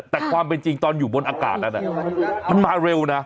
แต่ความเป็นจริงตอนอยู่บนอากาศนั้นมันมาเร็วนะ